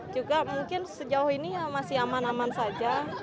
juga mungkin sejauh ini ya masih aman aman saja